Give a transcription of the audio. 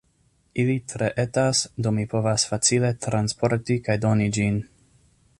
Ili tre etas, do mi povas facile transporti kaj doni ĝin.